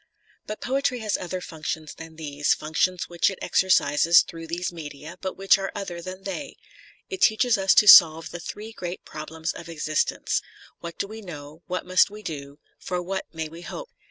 But poetry has other functions than these, functions which it exercises through these media, but which are other than they. It teaches us to solve the three great problems of existence. What do we know — what must we do — ^for what may we hope ?